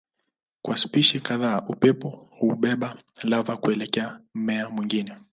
Kwa spishi kadhaa upepo hubeba lava kuelekea mmea mwingine.